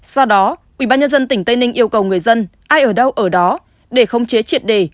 do đó ubnd tỉnh tây ninh yêu cầu người dân ai ở đâu ở đó để khống chế triệt đề